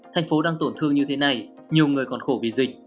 thành phố đang tổn thương như thế này nhiều người còn khổ vì dịch